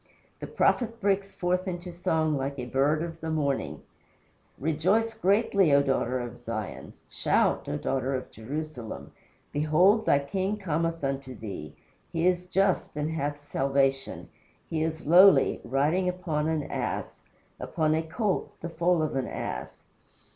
The prophet breaks forth into song like a bird of the morning: "Rejoice greatly, O daughter of Zion; Shout, O daughter of Jerusalem: Behold, thy king cometh unto thee. He is just and hath salvation; He is lowly, riding upon an ass Upon a colt, the foal of an ass."